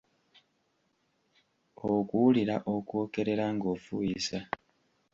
Okuwulira okwokerera ng’ofuuyisa.